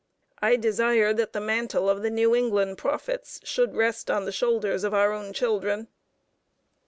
I desire that the mantle of the New England prophets should rest on the shoulders of our own children.